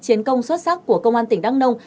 chiến công xuất sắc của công an tỉnh đắk nông